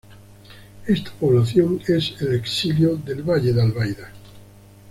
Esta población es el exilio del valle de albaida.